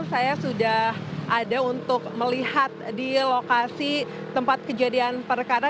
saya sudah ada untuk melihat di lokasi tempat kejadian perkara